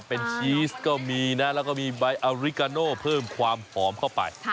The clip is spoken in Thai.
เป็นชีสก็มีนะแล้วก็มีใบอาริกาโน่เพิ่มความหอมเข้าไป